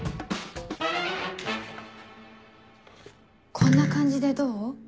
こんな感じでどう？